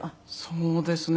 そうですね。